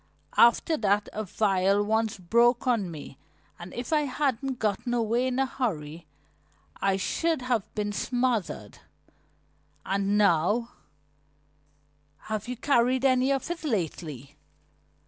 After that a vial once broke on me and if I hadn't gotten away in a hurry I should have been smothered. And now " "Have you carried any of it lately?"